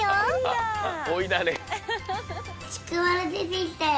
ちくわがでてきたよ。